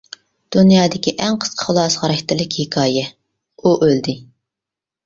دۇنيادىكى ئەڭ قىسقا خۇلاسە خاراكتېرلىك ھېكايە: ئۇ ئۆلدى.